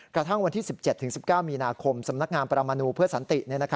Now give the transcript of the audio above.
กระทั่งวันที่๑๗๑๙มีนาคมสำนักงานประมาณนูเพื่อสันติ